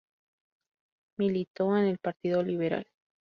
Militó en el Partido Liberal.